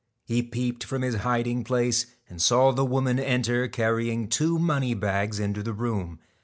He peeped from his hiding place, and saw the woman enter carry ing two money bags into the room.